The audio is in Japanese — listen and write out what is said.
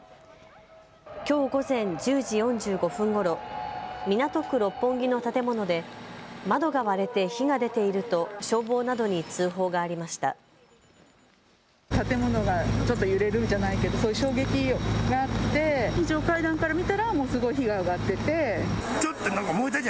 きょう午前１０時４５分ごろ港区六本木の建物で窓が割れて火が出ていると消防などに通報がありました。